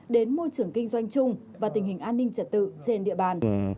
đến môi trường kinh doanh chung và tình hình an ninh trật tự trên địa bàn